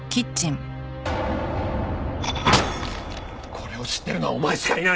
これを知ってるのはお前しかいない！